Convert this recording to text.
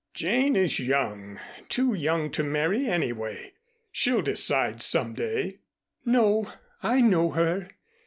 "Jane is young, too young to marry anyway. She'll decide some day." "No. I know her.